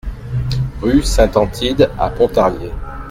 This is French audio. Rue Saint-Antide à Pontarlier